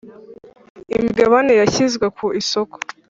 imigabane yashyizwe ku isoko